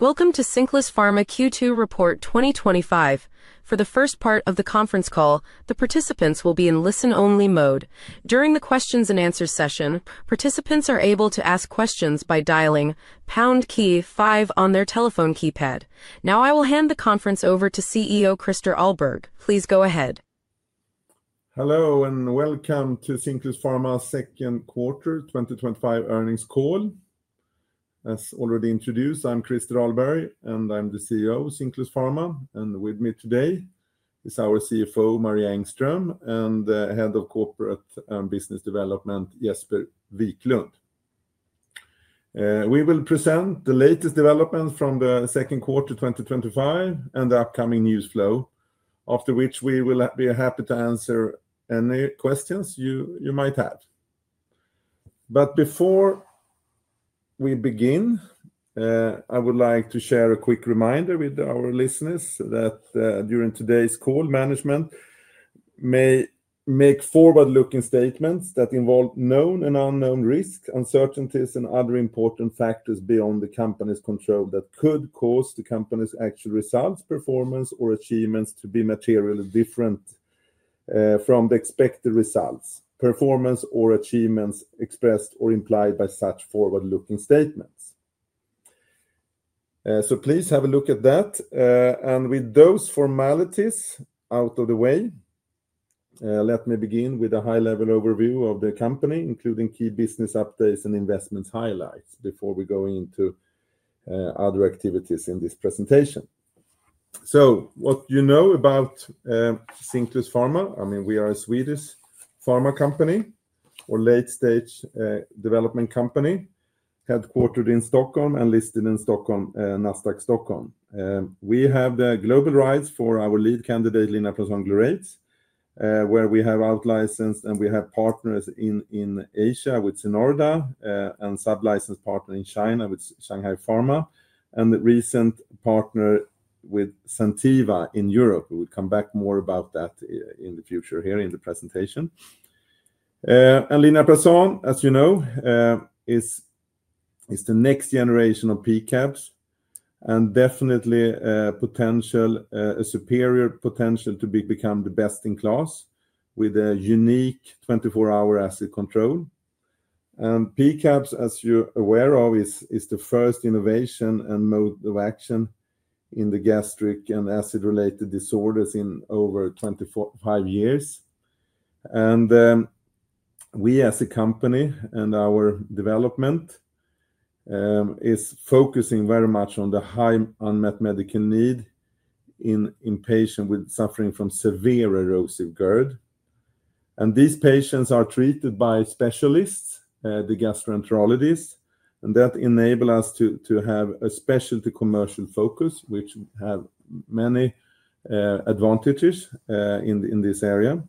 Welcome to Cinclus Pharma Q2 Report 2025. For the first part of the conference call, the participants will be in listen-only mode. During the questions and answers session, participants are able to ask questions by dialing pound key-five on their telephone keypad. Now, I will hand the conference over to CEO Christer Ahlberg. Please go ahead. Hello and welcome to Cinclus Pharma's Second Quarter 2025 Earnings Call. As already introduced, I'm Christer Ahlberg and I'm the CEO of Cinclus Pharma. With me today is our CFO, Maria Engström, and Head of Corporate and Business Development, Jesper Wiklund. We will present the latest developments from the second quarter 2025 and the upcoming news flow, after which we will be happy to answer any questions you might have. Before we begin, I would like to share a quick reminder with our listeners that during today's call, management may make forward-looking statements that involve known and unknown risks, uncertainties, and other important factors beyond the company's control that could cause the company's actual results, performance, or achievements to be materially different from the expected results, performance, or achievements expressed or implied by such forward-looking statements. Please have a look at that. With those formalities out of the way, let me begin with a high-level overview of the company, including key business updates and investment highlights before we go into other activities in this presentation. What you know about Cinclus Pharma, I mean, we are a Swedish pharma company, or late-stage development company, headquartered in Stockholm and listed in Stockholm, Nasdaq Stockholm. We have the global rights for our lead candidate, Linaprazan glurate, where we have outlicensed and we have partners in Asia with Synmosa and sub-licensed partner in China with Shanghai Pharma, and the recent partner with Zentiva in Europe, who will come back more about that in the future here in the presentation. Linaprazan, as you know, is the next generation of PCABs and definitely a potential, a superior potential to become the best-in-class with a unique 24-hour acid control. PCABs, as you're aware of, is the first innovation and mode of action in the gastric and acid-related disorders in over 25 years. We, as a company, and our development is focusing very much on the high unmet medical need in patients suffering from severe erosive GERD. These patients are treated by specialists, the gastroenterologists, and that enables us to have a specialty commercial focus, which has many advantages in this area.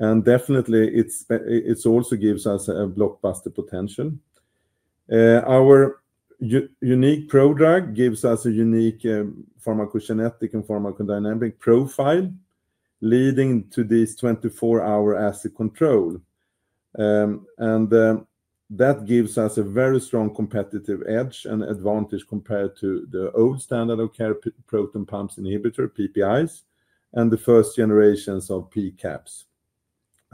It also gives us a blockbuster potential. Our unique prodrug gives us a unique pharmacogenetic and pharmacodynamic profile, leading to this 24-hour acid control. That gives us a very strong competitive edge and advantage compared to the old standard of care, proton pump inhibitors, PPIs, and the first generations of PCABs.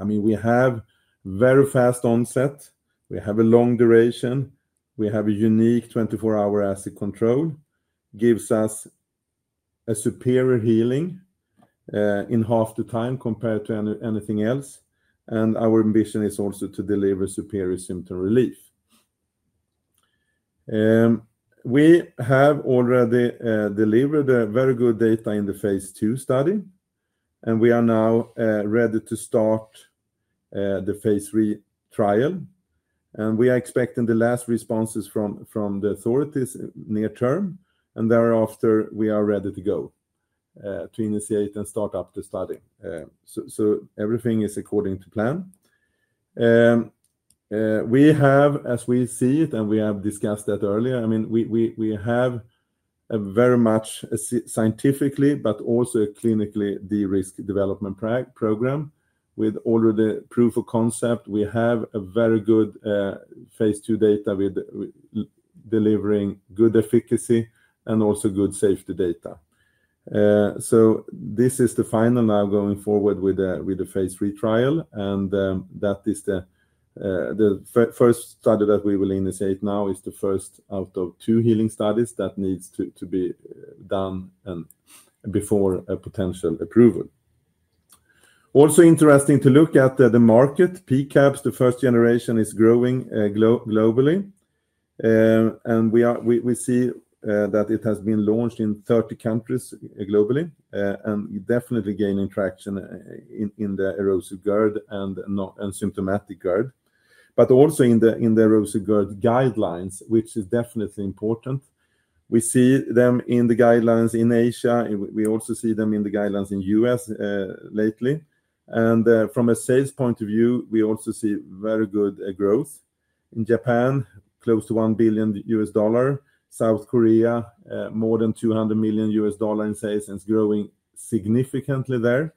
We have very fast onset, a long duration, and a unique 24-hour acid control that gives us superior healing in half the time compared to anything else. Our ambition is also to deliver superior symptom relief. We have already delivered very good data in the phase II study, and we are now ready to start the phase III trial. We are expecting the last responses from the authorities near term. Thereafter, we are ready to go to initiate and start up the study. Everything is according to plan. As we see it, and as we have discussed earlier, we have a very much scientifically but also clinically de-risked development program with already proof of concept. We have very good phase II data delivering good efficacy and also good safety data. This is the final step now going forward with the phase III trial. The first study that we will initiate now is the first out of two healing studies that need to be done before a potential approval. It is also interesting to look at the market. PCABs, the first generation, is growing globally. We see that it has been launched in 30 countries globally and is definitely gaining traction in erosive GERD and symptomatic GERD, but also in the erosive GERD guidelines, which is definitely important. We see them in the guidelines in Asia. We also see them in the guidelines in the U.S. lately. From a sales point of view, we also see very good growth in Japan, close to $1 billion. South Korea, more than $200 million in sales, is growing significantly there.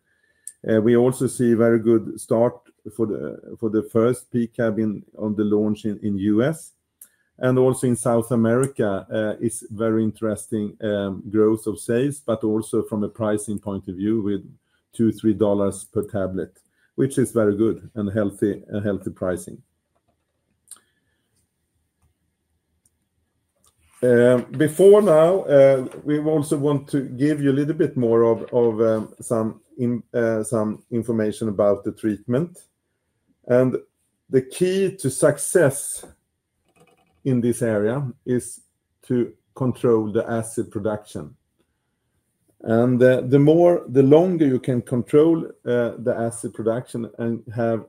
We also see a very good start for the first PCAB on the launch in the U.S. In South America, there is very interesting growth of sales, but also from a pricing point of view with $2-$3 per tablet, which is very good and healthy pricing. We also want to give you a little bit more information about the treatment. The key to success in this area is to control the acid production. The longer you can control the acid production and have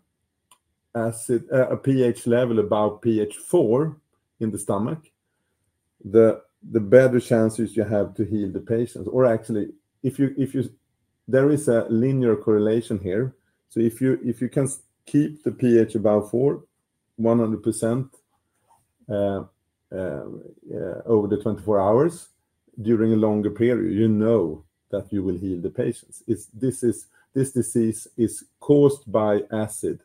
a pH level above pH 4 in the stomach, the better chances you have to heal the patient. There is a linear correlation here. If you can keep the pH above 4, 100% over the 24 hours during a longer period, you know that you will heal the patients. This disease is caused by acid.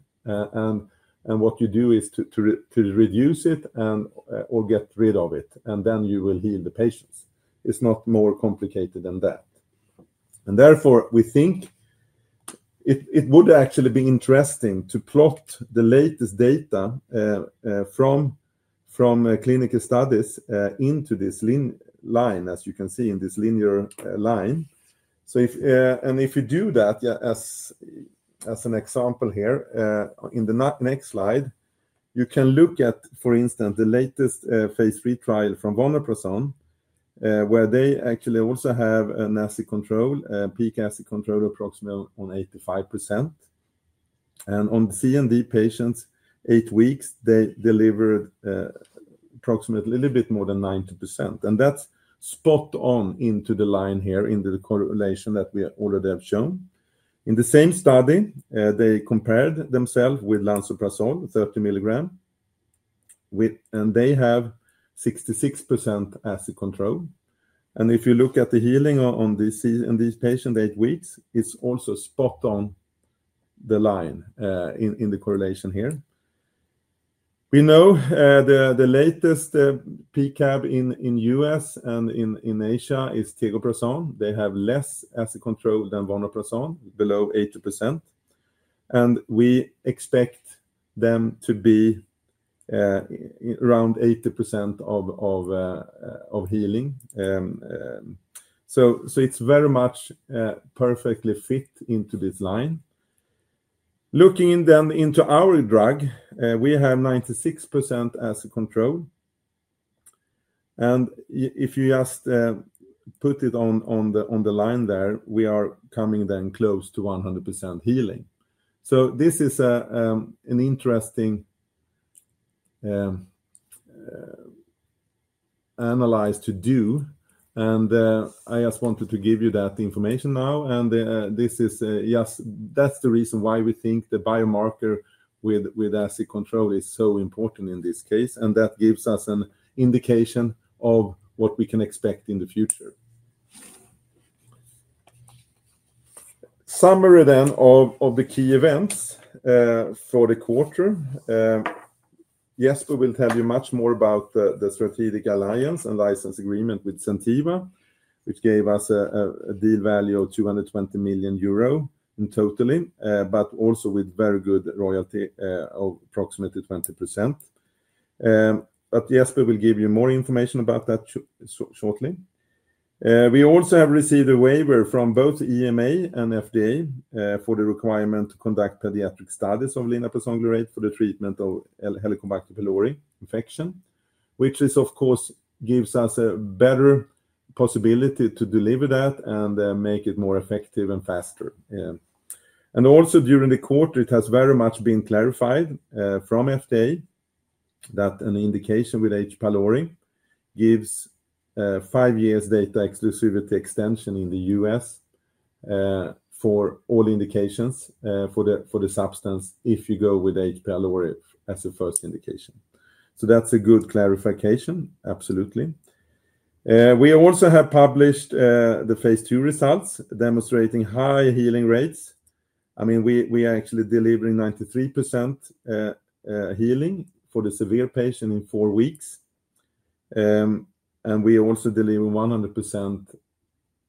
What you do is to reduce it or get rid of it, and then you will heal the patients. It's not more complicated than that. Therefore, we think it would actually be interesting to plot the latest data from clinical studies into this line, as you can see in this linear line. If you do that, as an example here in the next slide, you can look at, for instance, the latest phase III trial from Linaprazan, where they actually also have an acid control, peak acid control approximately on 85%. On the CND patients, eight weeks, they delivered approximately a little bit more than 90%. That's spot on into the line here into the correlation that we already have shown. In the same study, they compared themselves with Lansoprazole 30 mg, and they have 66% acid control. If you look at the healing on these patients, eight weeks, it's also spot on the line in the correlation here. We know the latest PCAB in the U.S. and in Asia is Vonoprazan. They have less acid control than Linaprazan, below 80%. We expect them to be around 80% of healing. It is very much perfectly fit into this line. Looking then into our drug, we have 96% acid control. If you just put it on the line there, we are coming then close to 100% healing. This is an interesting analyze to do. I just wanted to give you that information now. This is just that's the reason why we think the biomarker with acid control is so important in this case. That gives us an indication of what we can expect in the future. Summary then of the key events for the quarter. Jesper will tell you much more about the strategic alliance and license agreement with Zentiva, which gave us a deal value of 220 million euro in total, but also with very good royalty of approximately 20%. Jesper will give you more information about that shortly. We also have received a waiver from both EMA and FDA for the requirement to conduct pediatric studies of Linaprazan glurate for the treatment of Helicobacter pylori infection, which is, of course, gives us a better possibility to deliver that and make it more effective and faster. Also, during the quarter, it has very much been clarified from FDA that an indication with H. pylori gives five years data exclusivity extension in the U.S. for all indications for the substance if you go with H. pylori as the first indication. That's a good clarification, absolutely. We also have published the phase II results demonstrating high healing rates. I mean, we are actually delivering 93% healing for the severe patient in four weeks. We also deliver 100%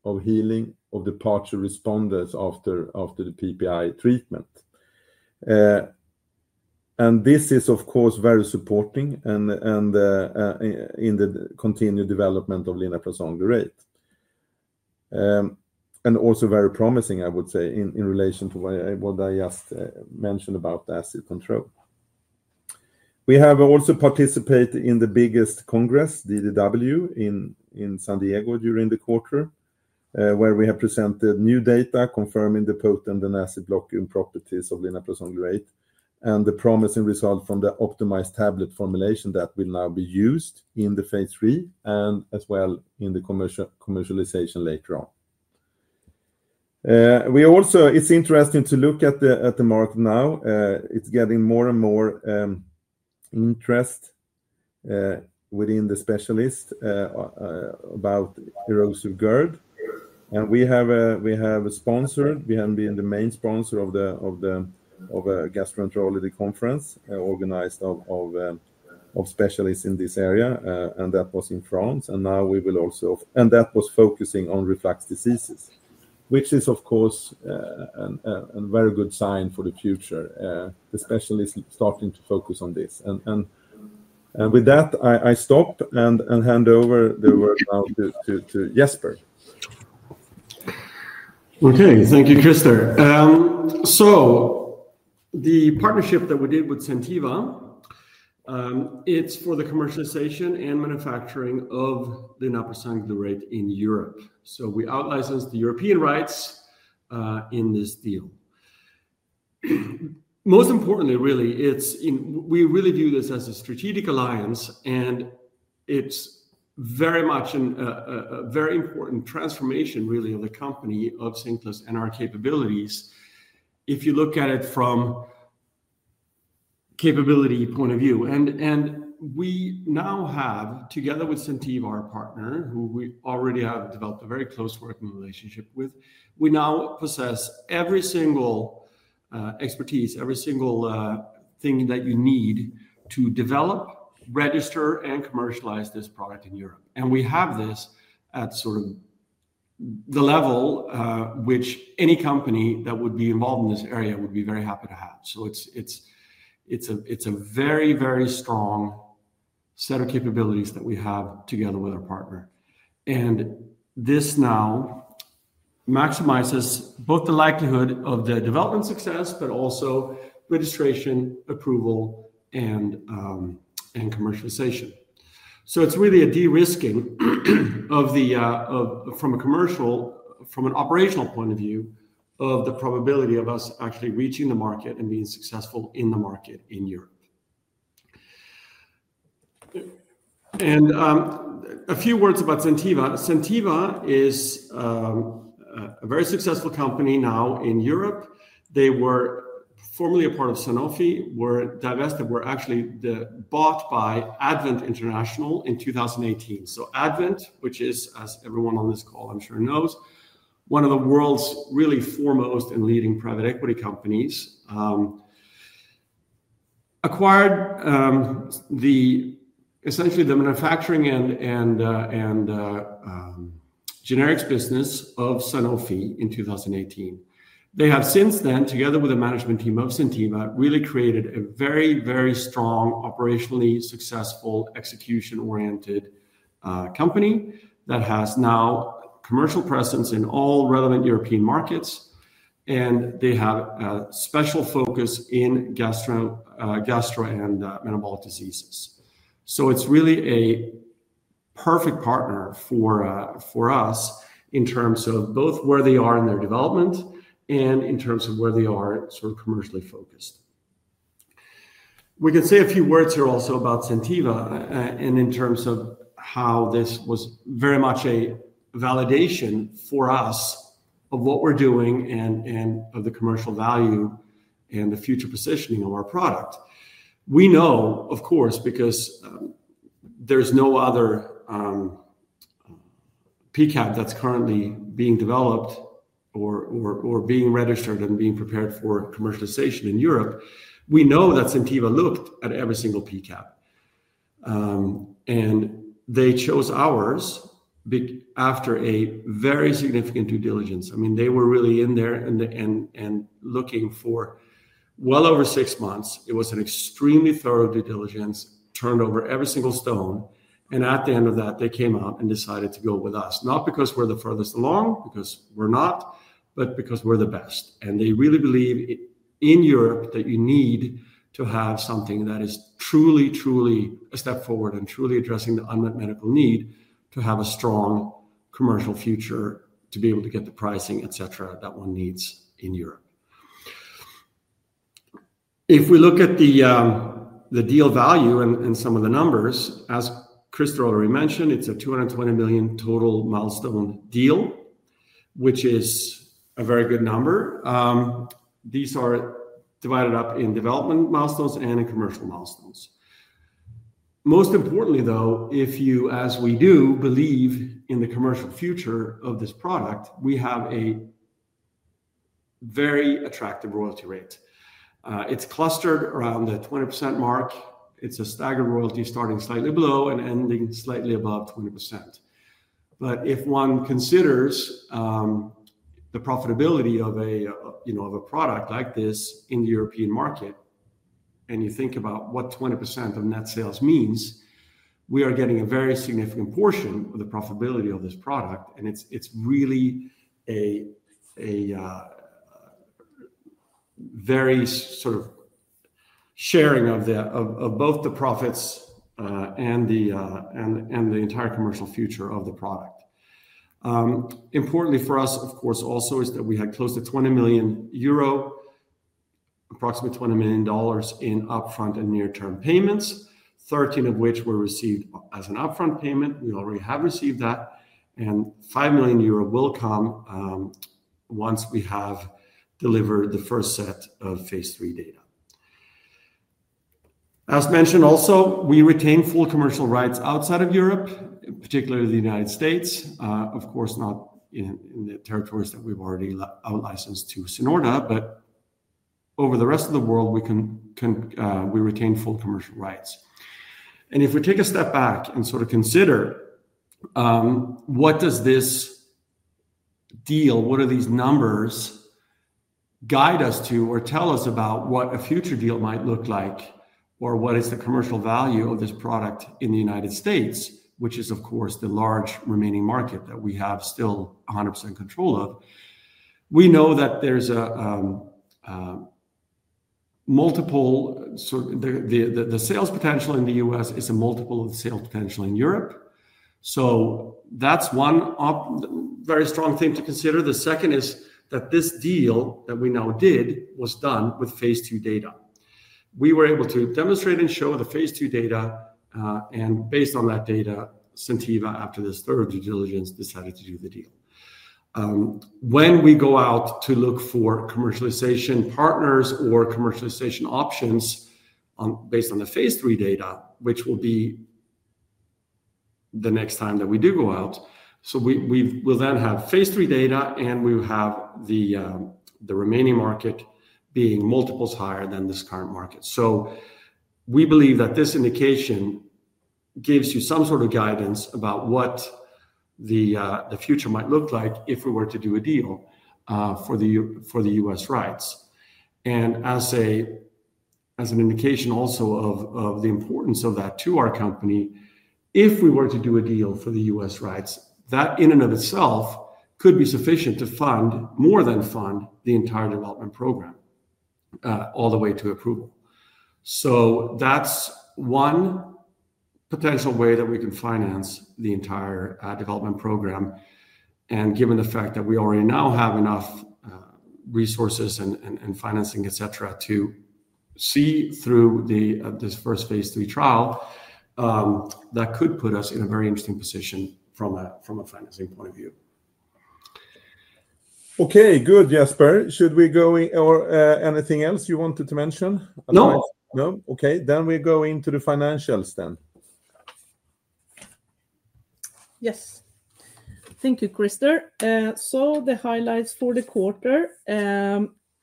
of healing of the partial responders after the PPI treatment. This is, of course, very supporting in the continued development of Linaprazan glurate. Also very promising, I would say, in relation to what I just mentioned about the acid control. We have also participated in the biggest congress, DDW, in San Diego during the quarter, where we have presented new data confirming the potent and acid-blocking properties of Linaprazan glurate and the promising result from the optimized tablet formulation that will now be used in the phase III and as well in the commercialization later on. It's interesting to look at the market now. It's getting more and more interest within the specialists about erosive GERD. We have been the main sponsor of the gastroenterology conference organized of specialists in this area. That was in France. That was focusing on reflux diseases, which is, of course, a very good sign for the future. The specialists are starting to focus on this. With that, I stop and hand over the word now to Jesper. Okay. Thank you, Christer. The partnership that we did with Zentiva, it's for the commercialization and manufacturing of Linaprazan glurate in Europe. We outlicensed the European rights in this deal. Most importantly, we really view this as a strategic alliance. It's very much a very important transformation of the company of Cinclus and our capabilities if you look at it from a capability point of view. We now have, together with Zentiva, our partner, who we already have developed a very close working relationship with, we now possess every single expertise, every single thing that you need to develop, register, and commercialize this product in Europe. We have this at the level which any company that would be involved in this area would be very happy to have. It's a very, very strong set of capabilities that we have together with our partner. This now maximizes both the likelihood of the development success, but also registration, approval, and commercialization. It's really a de-risking from a commercial, from an operational point of view, of the probability of us actually reaching the market and being successful in the market in Europe. A few words about Zentiva. Zentiva is a very successful company now in Europe. They were formerly a part of Sanofi, were divested, were actually bought by Advent International in 2018. Advent, which is, as everyone on this call, I'm sure, knows, one of the world's really foremost and leading private equity companies, acquired essentially the manufacturing and generics business of Sanofi in 2018. They have since then, together with the management team of Zentiva, really created a very, very strong, operationally successful, execution-oriented company that has now a commercial presence in all relevant European markets. They have a special focus in gastro and metabolic diseases. It's really a perfect partner for us in terms of both where they are in their development and in terms of where they are commercially focused. We can say a few words here also about Zentiva and in terms of how this was very much a validation for us of what we're doing and of the commercial value and the future positioning of our product. We know, of course, because there's no other PCAB that's currently being developed or being registered and being prepared for commercialization in Europe, we know that Zentiva looked at every single PCAB. They chose ours after a very significant due diligence. They were really in there and looking for well over six months. It was an extremely thorough due diligence, turned over every single stone. At the end of that, they came out and decided to go with us, not because we're the furthest along, because we're not, but because we're the best. They really believe in Europe that you need to have something that is truly, truly a step forward and truly addressing the unmet medical need to have a strong commercial future to be able to get the pricing, etc., that one needs in Europe. If we look at the deal value and some of the numbers, as Christer already mentioned, it's a 220 million total milestone deal, which is a very good number. These are divided up in Development milestones and in Commercial milestones. Most importantly, though, if you, as we do, believe in the commercial future of this product, we have a very attractive royalty rate. It's clustered around the 20% mark. It's a staggered royalty starting slightly below and ending slightly above 20%. If one considers the profitability of a product like this in the European market and you think about what 20% of net sales means, we are getting a very significant portion of the profitability of this product. It's really a very sort of sharing of both the profits and the entire commercial future of the product. Importantly for us, of course, also is that we had close to 20 million euro, approximately $20 million in upfront and near-term payments, 13 million of which were received as an upfront payment. We already have received that. 5 million euro will come once we have delivered the first set of phase III data. As mentioned also, we retain full commercial rights outside of Europe, particularly the U.S., of course, not in the territories that we've already outlicensed to Synmosa, but over the rest of the world, we retain full commercial rights. If we take a step back and sort of consider, what does this deal, what do these numbers guide us to or tell us about what a future deal might look like or what is the commercial value of this product in the U.S., which is, of course, the large remaining market that we have still 100% control of? We know that there's a multiple, sort of the sales potential in the U.S. is a multiple of the sales potential in Europe. That's one very strong thing to consider. The second is that this deal that we now did was done with phase II data. We were able to demonstrate and show the phase II data. Based on that data, Zentiva, after this thorough due diligence, decided to do the deal. When we go out to look for commercialization partners or commercialization options based on the phase III data, which will be the next time that we do go out, we will then have phase III data and we will have the remaining market being multiples higher than this current market. We believe that this indication gives you some sort of guidance about what the future might look like if we were to do a deal for the U.S. rights. As an indication also of the importance of that to our company, if we were to do a deal for the U.S. rights, that in and of itself could be sufficient to fund, more than fund, the entire development program all the way to approval. That's one potential way that we can finance the entire development program. Given the fact that we already now have enough resources and financing, etc., to see through this first phase III trial, that could put us in a very interesting position from a financing point of view. Okay, good, Jesper. Should we go or anything else you wanted to mention? No. No? Okay. We go into the financials then. Yes. Thank you, Christer. The highlights for the quarter,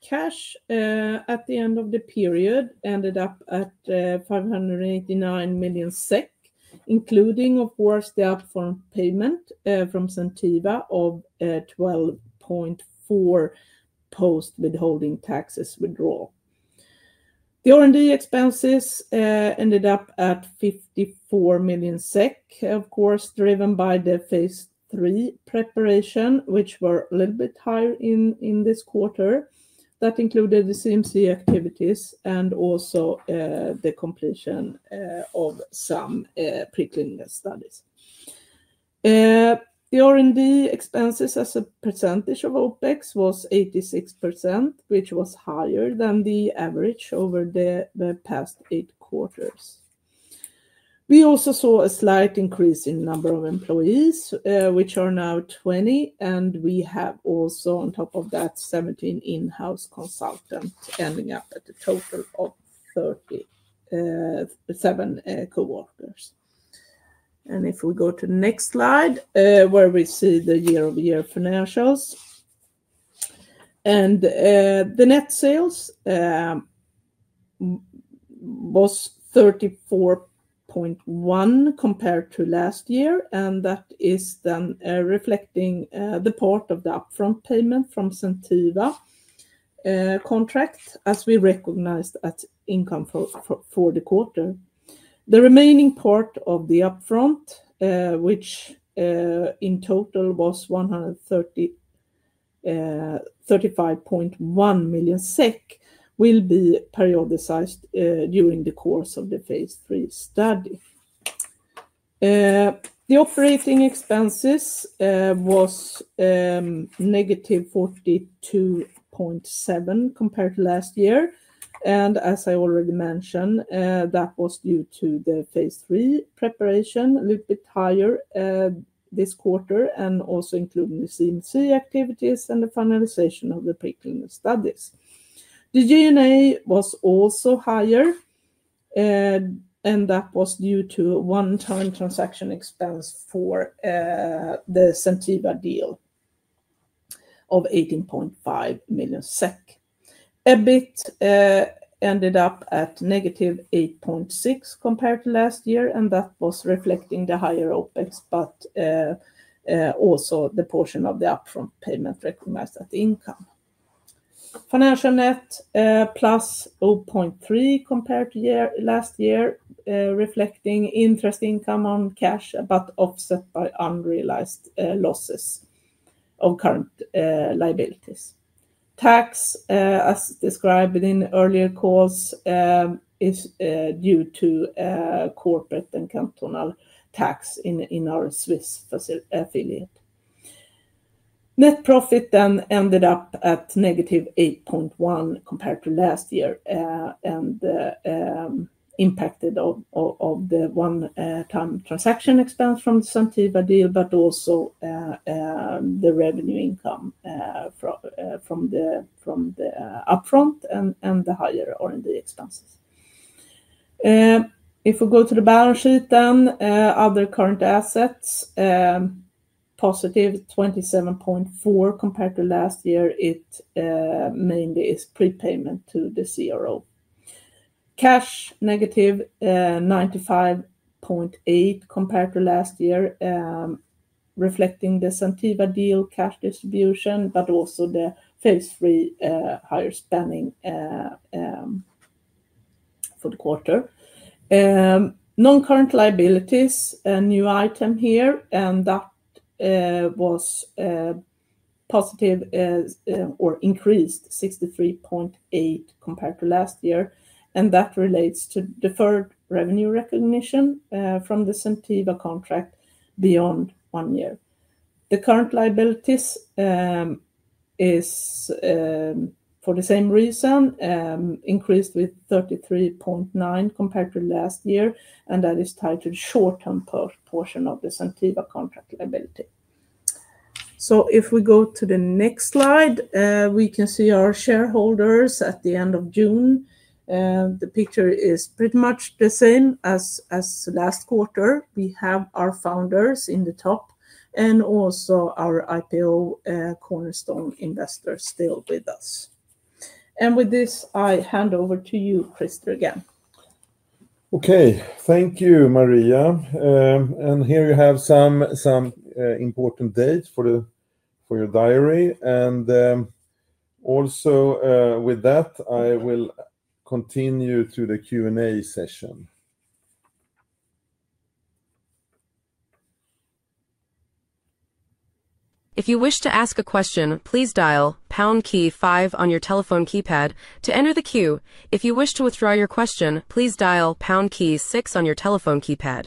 cash at the end of the period ended up at 589 million SEK, including, of course, the out-of-form payment from Zentiva of 12.4 million post-withholding taxes withdrawal. The R&D expenses ended up at 54 million SEK, of course, driven by the phase III preparation, which were a little bit higher in this quarter. That included the CMC activities and also the completion of some pre-clinical studies. The R&D expenses as a percentage of OpEx was 86%, which was higher than the average over the past eight quarters. We also saw a slight increase in the number of employees, which are now 20, and we have also, on top of that, 17 in-house consultants ending up at a total of 37 coworkers. If we go to the next slide, where we see the year-over-year financials, the net sales was 34.1 million compared to last year. That is then reflecting the part of the upfront payment from the Zentiva contract, as we recognized as income for the quarter. The remaining part of the upfront, which in total was 35.1 million SEK, will be periodicized during the course of the phase III study. The operating expenses was -42.7 million compared to last year. As I already mentioned, that was due to the phase III preparation, a little bit higher this quarter, and also including the CMC activities and the finalization of the pre-clinical studies. The G&A was also higher, and that was due to a one-time transaction expense for the Zentiva deal of 18.5 million SEK. EBIT ended up at -8.6 million compared to last year, and that was reflecting the higher OpEx, but also the portion of the upfront payment recognized as income. Financial net +0.3 million compared to last year, reflecting interest income on cash, but offset by unrealized losses of current liabilities. Tax, as described in earlier calls, is due to corporate and cantonal tax in our Swiss affiliate. Net profit then ended up at -8.1 million compared to last year and impacted by the one-time transaction expense from the Zentiva deal, but also the revenue income from the upfront and the higher R&D expenses. If we go to the balance sheet then, other current assets, +27.4 million compared to last year. It mainly is prepayment to the CRO. Cash -95.8 million compared to last year, reflecting the Zentiva deal cash distribution, but also the phase III higher spending for the quarter. Non-current liabilities, a new item here, and that was positive or increased 63.8 million compared to last year. That relates to deferred revenue recognition from the Zentiva contract beyond one year. The current liabilities is, for the same reason, increased with 33.9 million compared to last year, and that is tied to the short-term portion of the Zentiva contract liability. If we go to the next slide, we can see our shareholders at the end of June. The picture is pretty much the same as last quarter. We have our founders in the top and also our IPO cornerstone investors still with us. With this, I hand over to you, Christer, again. Okay. Thank you, Maria. Here you have some important dates for your diary. Also, with that, I will continue to the Q&A session. If you wish to ask a question, please dial pound key-five on your telephone keypad to enter the queue. If you wish to withdraw your question, please dial pound key-six on your telephone keypad.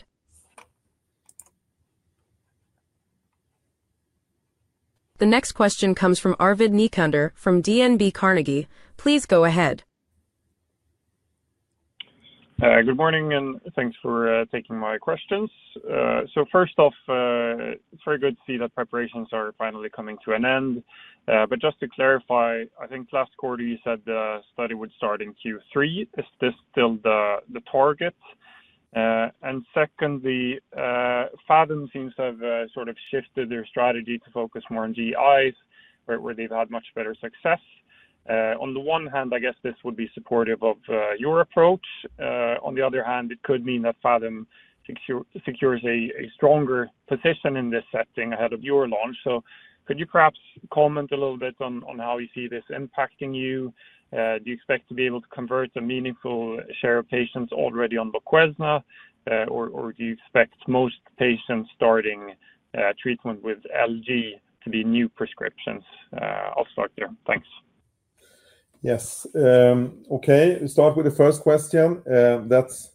The next question comes from Arvid Necander from DNB Carnegie. Please go ahead. Good morning and thanks for taking my questions. First off, very good to see that preparations are finally coming to an end. Just to clarify, I think last quarter you said the study would start in Q3. Is this still the target? Secondly, Ferring seems to have sort of shifted their strategy to focus more on GEIs, where they've had much better success. On the one hand, I guess this would be supportive of your approach. On the other hand, it could mean that Ferring secures a stronger position in this setting ahead of your launch. Could you perhaps comment a little bit on how you see this impacting you? Do you expect to be able to convert a meaningful share of patients already on Voquezna, or do you expect most patients starting treatment with L-g to be new prescriptions? I'll start there. Thanks. Yes. Okay. Let's start with the first question. That's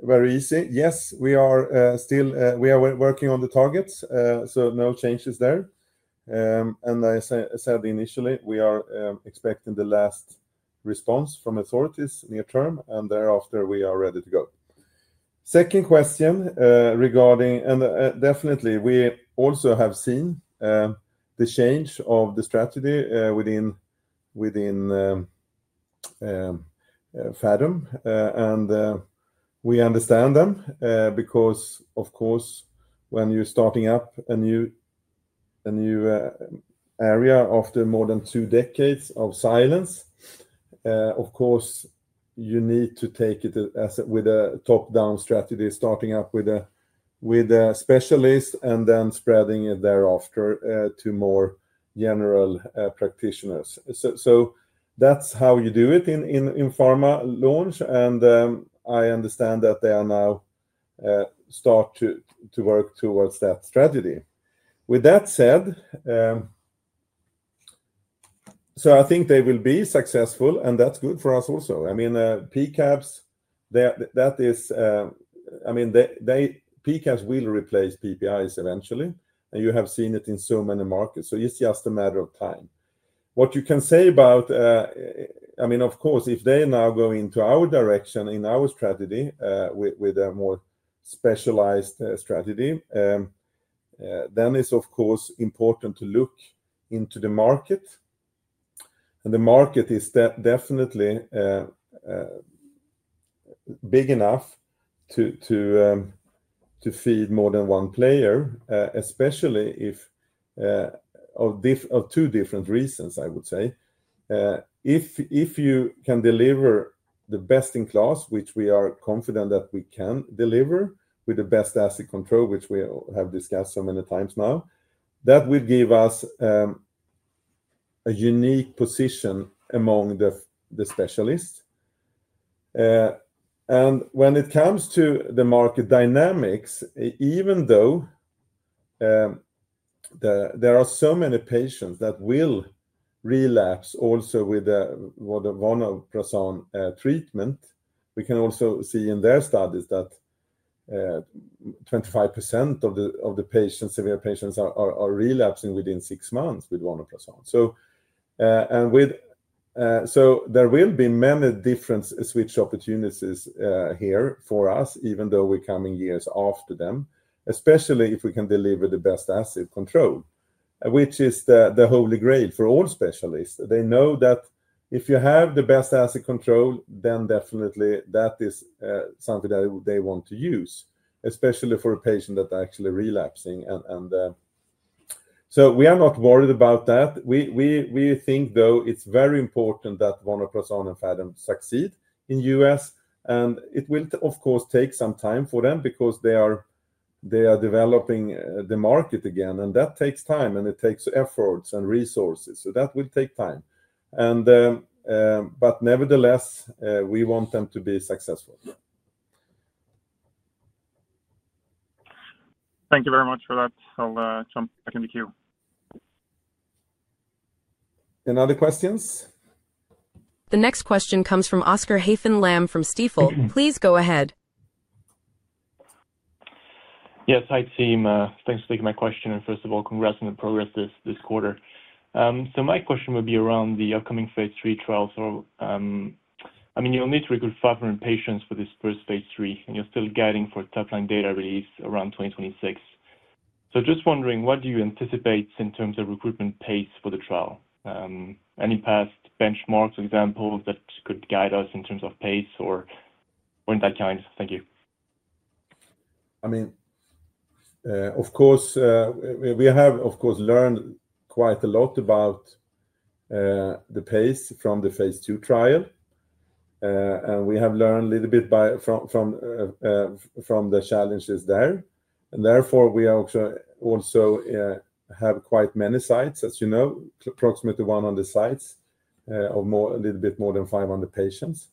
very easy. Yes, we are still working on the targets. No changes there. As I said initially, we are expecting the last response from authorities near term, and thereafter, we are ready to go. Second question regarding, and definitely, we also have seen the change of the strategy within Ferring. We understand them because, of course, when you're starting up a new area after more than two decades of silence, you need to take it with a top-down strategy, starting up with a specialist and then spreading it thereafter to more general practitioners. That's how you do it in pharma launch. I understand that they are now starting to work towards that strategy. With that said, I think they will be successful, and that's good for us also. I mean, PCABs, that is, I mean, PCABs will replace PPIs eventually. You have seen it in so many markets. It's just a matter of time. What you can say about, I mean, of course, if they now go into our direction in our strategy with a more specialized strategy, then it's important to look into the market. The market is definitely big enough to feed more than one player, especially for two different reasons, I would say. If you can deliver the best-in-class, which we are confident that we can deliver with the best acid control, which we have discussed so many times now, that would give us a unique position among the specialists. When it comes to the market dynamics, even though there are so many patients that will relapse also with the Linaprazan treatment, we can also see in their studies that 25% of the severe patients are relapsing within six months with Linaprazan. There will be many different switch opportunities here for us, even though we're coming years after them, especially if we can deliver the best acid control, which is the holy grail for all specialists. They know that if you have the best acid control, then definitely that is something that they want to use, especially for a patient that's actually relapsing. We are not worried about that. We think, though, it's very important that Linaprazan and Ferring succeed in the U.S. It will take some time for them because they are developing the market again. That takes time, and it takes efforts and resources. That will take time. Nevertheless, we want them to be successful. Thank you very much for that. I'll jump back in the queue. Any other questions? The next question comes from Oscar Haffen-Lamm from Stifel. Please go ahead. Yes. Hi, team. Thanks for taking my question. First of all, congrats on the progress this quarter. My question would be around the upcoming phase III trials. I mean, you'll need to recruit 500 patients for this first phase III. You're still getting for top-line data released around 2026. Just wondering, what do you anticipate in terms of recruitment pace for the trial? Any past benchmarks or examples that could guide us in terms of pace or in that kind? Thank you. Of course, we have learned quite a lot about the pace from the phase II trial. We have learned a little bit from the challenges there. Therefore, we also have quite many sites, as you know, approximately 100 sites of a little bit more than 500 patients.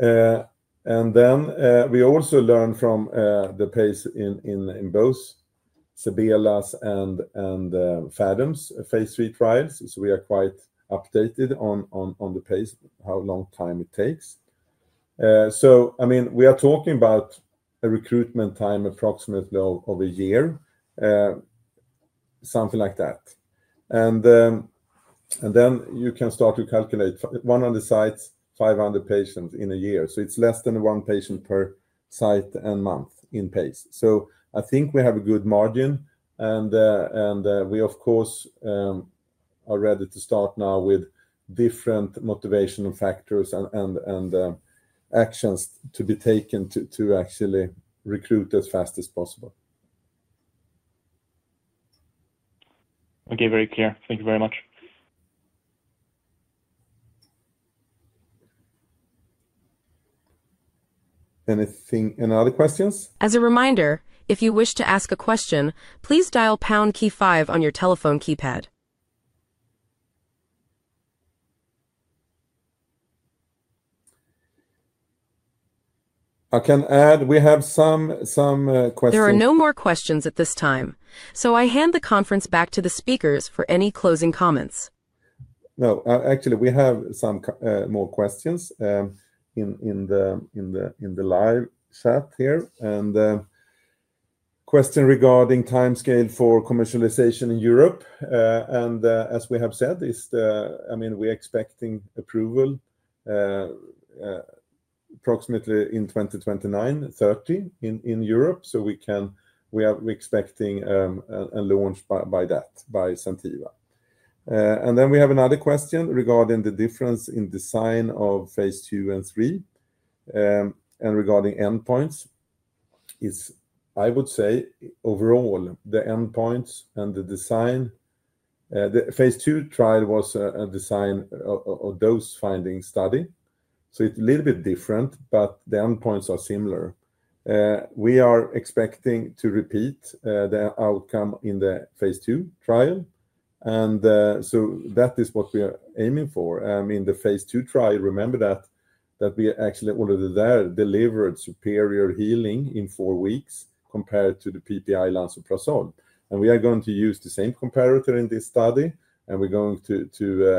We also learned from the pace in both Ceballos and Fadden's phase III trials. We are quite updated on the pace, how long time it takes. We are talking about a recruitment time approximately of a year, something like that. You can start to calculate 100 sites, 500 patients in a year. It's less than one patient per site and month in pace. I think we have a good margin. We are ready to start now with different motivational factors and actions to be taken to actually recruit as fast as possible. Okay. Very clear. Thank you very much. Any other questions? As a reminder, if you wish to ask a question, please dial the pound key-five on your telephone keypad. I can add, we have some questions. There are no more questions at this time. I hand the conference back to the speakers for any closing comments. No. Actually, we have some more questions in the live chat here. A question regarding timescale for commercialization in Europe. As we have said, we're expecting approval approximately in 2029, 2030 in Europe. We're expecting a launch by that, by Zentiva. We have another question regarding the difference in design of phase II and III. Regarding endpoints, I would say overall, the endpoints and the design, the phase II trial was a design of dose finding study. It's a little bit different, but the endpoints are similar. We are expecting to repeat the outcome in the phase II trial. That is what we are aiming for. In the phase II trial, remember that we actually already there delivered superior healing in four weeks compared to the PPI Lansoprazole. We are going to use the same comparator in this study. We're going to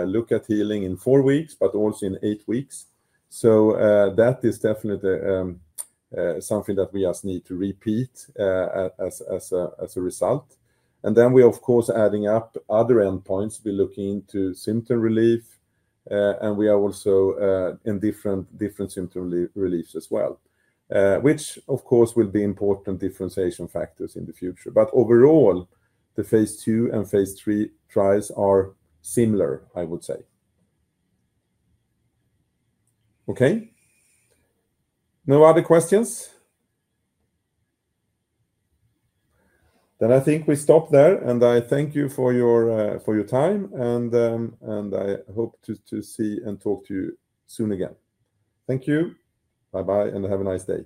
look at healing in four weeks, but also in eight weeks. That is definitely something that we just need to repeat as a result. We, of course, are adding up other endpoints. We're looking into symptom relief. We are also in different symptom reliefs as well, which, of course, will be important differentiation factors in the future. Overall, the phase II and phase III trials are similar, I would say. Okay? No other questions? I think we stop there. I thank you for your time. I hope to see and talk to you soon again. Thank you. Bye-bye. Have a nice day.